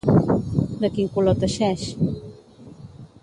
De quin color teixeix?